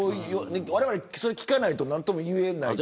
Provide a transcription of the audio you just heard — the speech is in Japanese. われわれ、聞かないと何とも言えない。